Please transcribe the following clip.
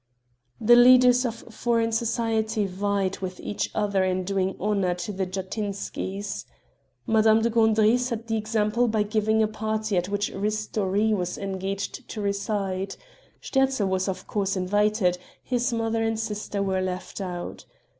The leaders of foreign society vied with each other in doing honor to the Jatinskys. Madame de Gandry set the example by giving a party at which Ristori was engaged to recite; Sterzl was of course, invited; his mother and sister were left out.